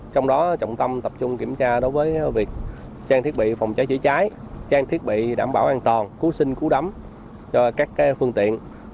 trong đó trọng tâm tập trung kiểm tra đối với việc trang thiết bị phòng cháy chữa cháy trang thiết bị đảm bảo an toàn cứu sinh cứu đắm cho các phương tiện